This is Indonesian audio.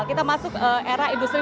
kita masuk era industri